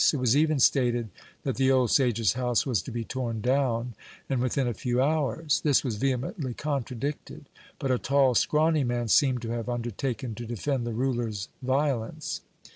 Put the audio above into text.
It was even stated that the old sage's house was to be torn down, and within a few hours. This was vehemently contradicted; but a tall, scrawny man seemed to have undertaken to defend the ruler's violence.